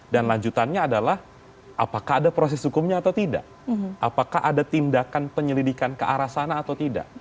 dan lanjutannya adalah apakah ada proses hukumnya atau tidak apakah ada tindakan penyelidikan ke arah sana atau tidak